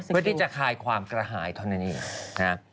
เพื่อที่จะคลายความกระหายเท่านั้นเองนะ